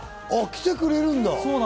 来てくれるんだ。